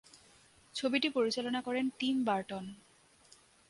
ছবিটি পরিচালনা করেন টিম বার্টন।